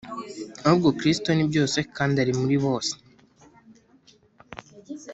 ahubwo Kristo ni byose kandi ari muri bose.